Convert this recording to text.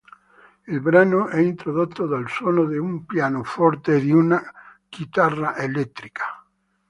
Il brano è introdotto dal suono di un pianoforte e di una chitarra elettrica.